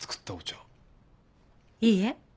いいえ。